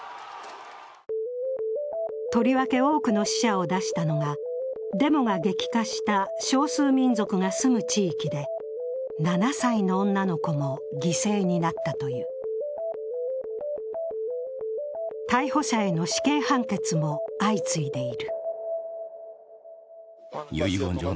とりわけ多くの死者を出したのが、デモが激化した少数民族が住む地域で７歳の女の子も犠牲になったという逮捕者への死刑判決も相次いでいる。